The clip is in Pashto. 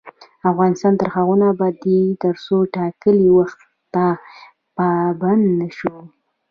افغانستان تر هغو نه ابادیږي، ترڅو ټاکلي وخت ته پابند نشو.